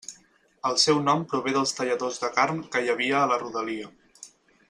El seu nom prové dels talladors de carn que hi havia a la rodalia.